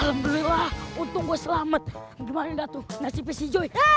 alhamdulillah untuk selamat gimana tuh nasib si joy